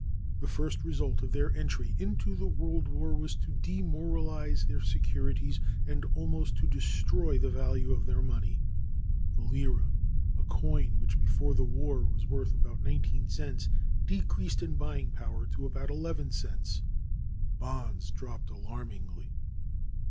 The first result of their entry into the World War was to demoralize their securities and almost to destroy the value of their money. The lira, a coin which, before the war, was worth about 19 cents, decreased in buying power to about 11 cents. Bonds dropped alarmingly.